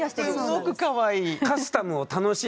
すんごくかわいい。